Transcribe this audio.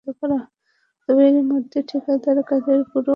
তবে এরই মধ্যে ঠিকাদার কাজের পুরো অর্থ তুলে নিয়েছেন বলে জানা গেছে।